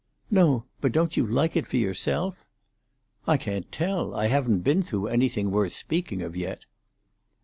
"No; but don't you like it for yourself?" "I can't tell; I haven't been through anything worth speaking of yet."